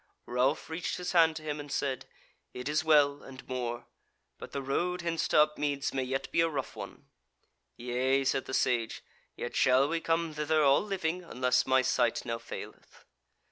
Ralph reached his hand to him and said: "It is well and more; but the road hence to Upmeads may yet be a rough one." "Yea," said the Sage, "yet shall we come thither all living, unless my sight now faileth."